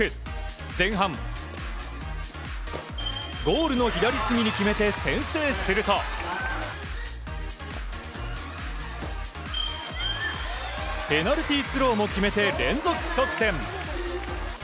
前半、ゴールの左隅に決めて先制するとペナルティースローも決めて連続得点。